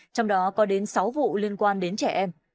trong đó có đến sáu vụ liên quan đến trẻ em